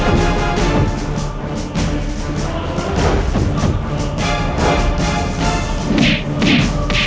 kayu silahkan masukan rumpanya